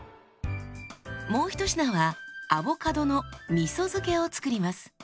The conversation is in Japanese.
もうひと品はアボカドのみそ漬けを作ります。